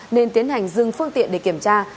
nên tiến hành dừng phương tiện để kiểm tra